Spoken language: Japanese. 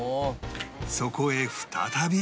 そこへ再び